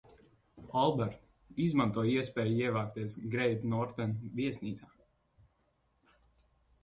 "Albert, izmanto iespēju ievākties "Great Northern" viesnīcā?"